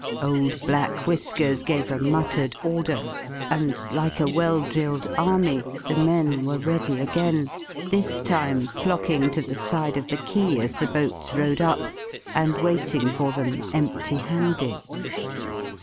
Old Black Whiskers gave a muttered order, and like a well drilled army the men were ready again, this time flocking to the side of the quay as the boats rode up, and waiting for them, empty handed.